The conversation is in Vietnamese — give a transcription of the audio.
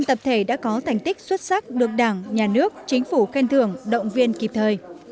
năm tập thể đã có thành tích xuất sắc được đảng nhà nước chính phủ khen thưởng động viên kịp thời